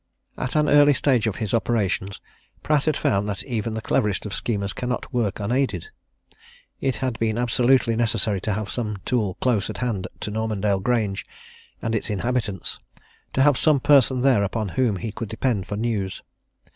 At an early stage of his operations, Pratt had found that even the cleverest of schemers cannot work unaided. It had been absolutely necessary to have some tool close at hand to Normandale Grange and its inhabitants; to have some person there upon whom he could depend for news.